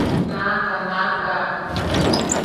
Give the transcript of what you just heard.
–¡Naʼaka! ¡Naʼaka!